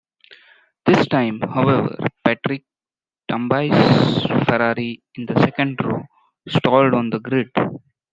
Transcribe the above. This time, however, Patrick Tambay's Ferrari, in the second row, stalled on the grid!